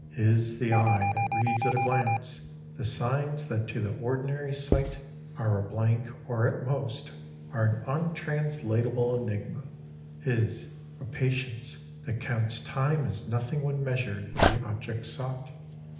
His the eye that reads at a glance the signs that to the ordinary sight are a blank or at most are an untranslatable enigma. His a patience that counts time as nothing when measured with the object sought.